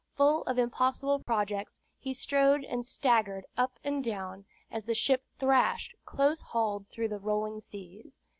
Full of impossible projects, he strode and staggered up and down, as the ship thrashed close hauled through the rolling seas.